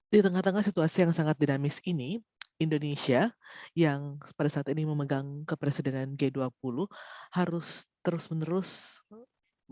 di tengah tengah situasi yang sangat dinamis ini indonesia yang pada saat ini memegang kepresidenan g dua puluh harus terus meneruskan